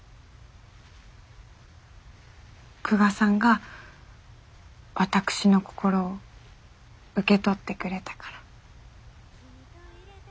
久我さんが私の心を受け取ってくれたから。